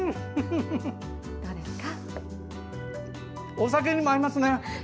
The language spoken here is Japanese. お酒にも合いますね！